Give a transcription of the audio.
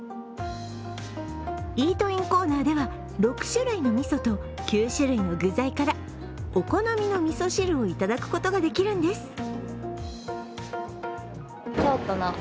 イートインコーナーでは、６種類のみそと９種類の具材からお好みのみそ汁をいただくことができるんです。